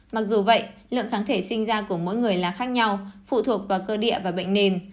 mặc dù vậy lượng kháng thể sinh ra của mỗi người là khác nhau phụ thuộc vào cơ địa và bệnh nền